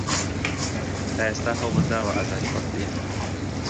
تا ئێستا هەوڵت داوە ئازاری خۆت بدەیت؟